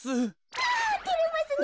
うわてれますね